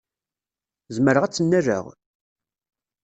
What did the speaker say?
Zemreɣ ad tt-nnaleɣ?